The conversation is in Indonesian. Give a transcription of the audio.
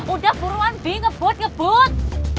udah buruan di ngebut ngebut